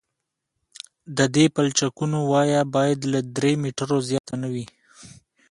د دې پلچکونو وایه باید له درې مترو زیاته نه وي